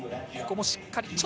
ここもしっかり。